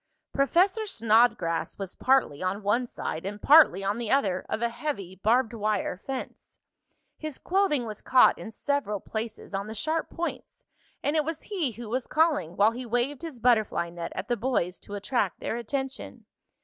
Professor Snodgrass was partly on one side and partly on the other of a heavy barbed wire fence. His clothing was caught in several places on the sharp points, and it was he who was calling, while he waved his butterfly net at the boys to attract their attention.